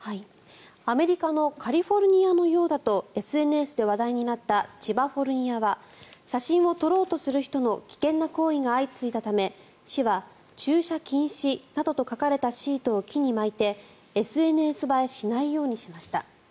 アメリカのカリフォルニアのようだとＳＮＳで話題になった千葉フォルニアは写真を撮ろうとする人の危険な行為が相次いだため市は駐車禁止などと書かれたシートを木に巻いてＳＮＳ映えしないようにしました。